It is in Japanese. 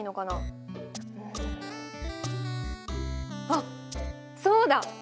あっそうだ！